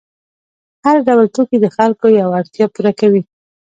هر ډول توکي د خلکو یوه اړتیا پوره کوي.